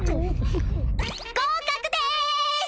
合格です！